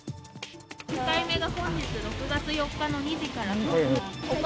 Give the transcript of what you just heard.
１回目が本日６月４日の２時からですから。